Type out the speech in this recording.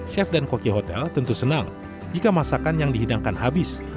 chef dan koki hotel tentu senang jika masakan yang dihidangkan habis